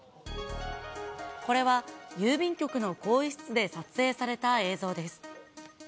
これは、郵便局の更衣室で撮影された映像です。